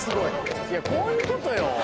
いやこういうことよ。